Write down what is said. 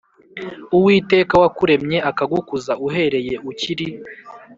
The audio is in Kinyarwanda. Uwiteka wakuremye akagukuza uhereye ukiri